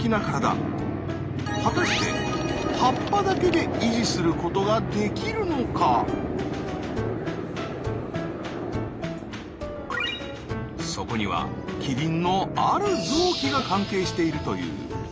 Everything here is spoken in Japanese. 果たしてそこにはキリンのある臓器が関係しているという。